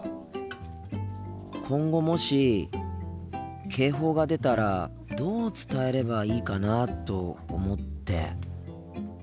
今後もし警報が出たらどう伝えればいいかなと思って。